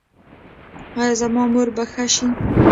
ایا زما مور به ښه شي؟